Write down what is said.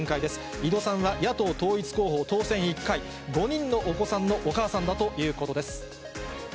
井戸さんは野党統一候補、当選１回、５人のお子さんのお母さんだということです。